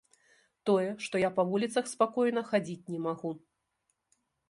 Тое, што я па вуліцах спакойна хадзіць не магу.